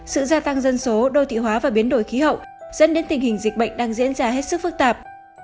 sự gia tăng dân số đô thị hóa và biến đổi khí hậu dẫn đến tình hình dịch bệnh đang diễn ra hết sức phức tạp